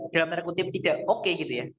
dalam tanda kutip tidak oke gitu ya